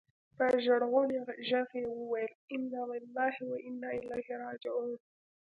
په ژړغوني ږغ يې وويل انا لله و انا اليه راجعون.